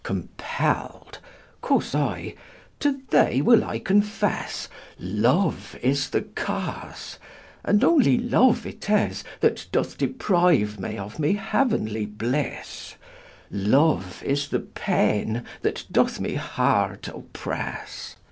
Compell'd : (quoth I) to thee will I confesse, Loue is the cause ; and only loue it is That doth depriue me of my heauenly blisse, Loue is the paine that doth my heart oppresse.